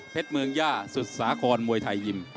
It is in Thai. เพชรเมืองย่าสุศาครมวยไทยยิม